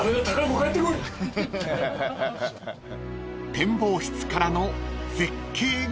［展望室からの絶景が］